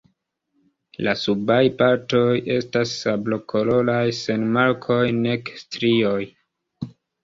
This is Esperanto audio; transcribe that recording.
La subaj partoj estas sablokoloraj sen markoj nek strioj.